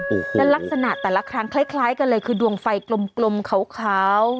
โอ้โหและลักษณะแต่ละครั้งคล้ายคล้ายกันเลยคือดวงไฟกลมกลมขาวขาว